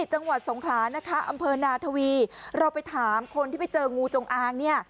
จังหวัดสงขลานะคะอำเภอนาทวีเราไปถามคนที่ไปเจองูจงอางเนี่ย